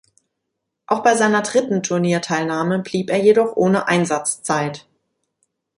Auch bei seiner dritten Turnierteilnahme blieb er jedoch ohne Einsatzzeit.